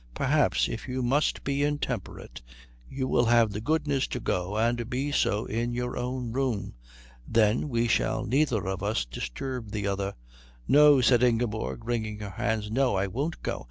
Perhaps, if you must be intemperate, you will have the goodness to go and be so in your own room. Then we shall neither of us disturb the other." "No," said Ingeborg, wringing her hands, "no. I won't go.